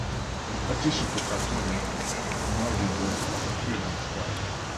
In addition to cartooning, Mauldin worked as a freelance writer.